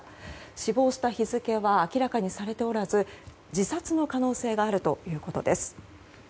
死亡した日付は明らかにされておらず自殺の可能性があるということです。